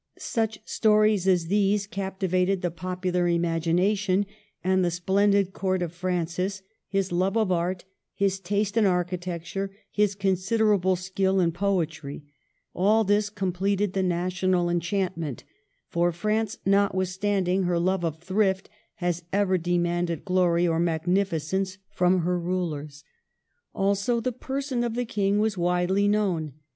Such stories as these captivated the popular imagination ; and the splendid court of Francis, his love of art, his taste in architecture, his con siderable skill in poetry, — all this completed the national enchantment ; for France, notwithstand ing her love of thrift, has ever demanded glory or magnificence from her rulers. Also the per son of the King was widely known.